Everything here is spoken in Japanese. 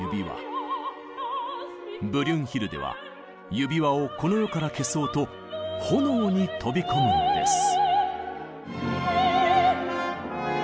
ブリュンヒルデは「指環」をこの世から消そうと炎に飛び込むのです。